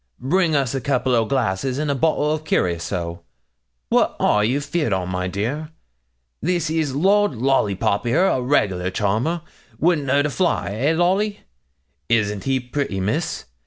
'Bring us a couple o' glasses and a bottle o' curaçoa; what are you fear'd on, my dear? this is Lord Lollipop, here, a reg'lar charmer, wouldn't hurt a fly, hey Lolly? Isn't he pretty, Miss?